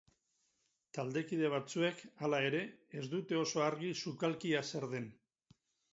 Taldekide batzuek, hala ere, ez dute oso argi sukalkia zer den.